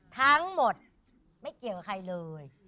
ทั้งหมดไม่เกี่ยวกับใครเลย